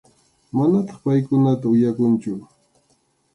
Manataq paykunata uyakunchu.